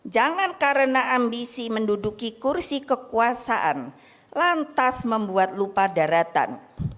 jangan karena ambisi menduduki kursi kekuasaan lantas membuat lupa daratan